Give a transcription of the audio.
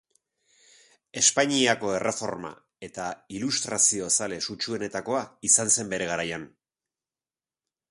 Espainiako erreforma eta ilustrazio zale sutsuenetakoa izan zen bere garaian.